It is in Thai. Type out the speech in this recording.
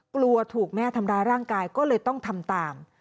กลัวถูกแม่ทำร้ายร่างกายก็เลยต้องทำตาม